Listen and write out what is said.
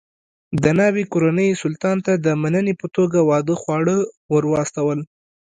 د ناوې کورنۍ سلطان ته د مننې په توګه واده خواړه ور واستول.